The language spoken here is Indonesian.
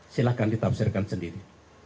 silahkan ditafsirkan sendiri